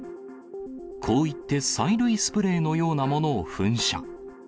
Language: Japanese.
こう言って、催涙スプレーのようなものを噴射。